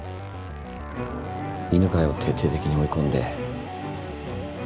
犬飼を徹底的に追い込んで。